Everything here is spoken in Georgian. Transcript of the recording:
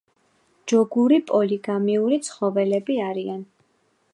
ჯოგური პოლიგამიური ცხოველები არიან.